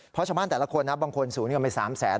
เพราะชาวบ้านแต่ละคนนะบางคนสูญเงินไป๓แสน